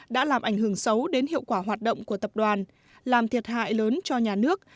đã làm ảnh hưởng xấu đến hiệu quả hoạt động của tập đoàn làm thiệt hại lớn cho nhà nước